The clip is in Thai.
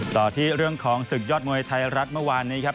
ต่อที่เรื่องของศึกยอดมวยไทยรัฐเมื่อวานนี้ครับ